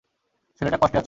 ছেলেটা কষ্টে আছে।